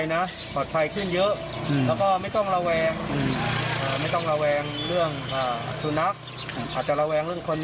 นี่ค่ะ